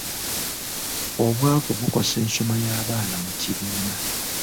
Obwavu bukosa ensoma y'abaana mu kibiina.